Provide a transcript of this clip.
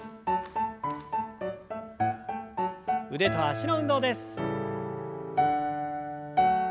腕と脚の運動です。